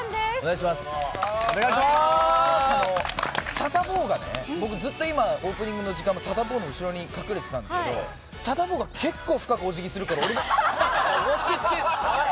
サタボーがね、僕ずっと今、オープニングの時間もサタボーの後ろに隠れてたんですけど、サタボーが結構深くおじぎするから俺もこうなって。